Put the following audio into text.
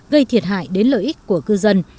gây thiệt hại đến lợi ích của cư dân